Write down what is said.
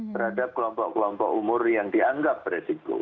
terhadap kelompok kelompok umur yang dianggap beresiko